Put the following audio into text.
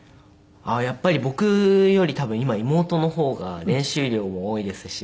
ああーやっぱり僕より多分今妹の方が練習量も多いですし。